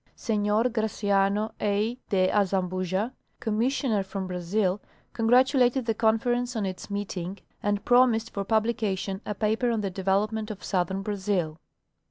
Senor Graciano A. de Azambuja, Commissioner from Brazil, congratulated the Conference on its meeting, and promised for publication a paper on the development of southern Brazil.